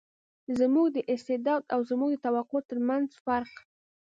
زموږ د استعداد او زموږ د توقع تر منځ فرق.